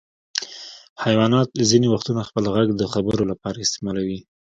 حیوانات ځینې وختونه خپل غږ د خبرو لپاره استعمالوي.